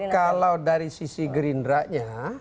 kalau dari sisi gerindra nya